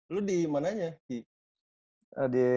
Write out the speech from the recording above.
lu di mananya ki